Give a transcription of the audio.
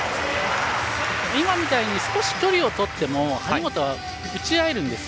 今みたいに少し距離をとっても張本は打ち合えるんですよ。